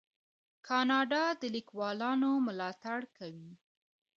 کاناډا د لیکوالانو ملاتړ کوي.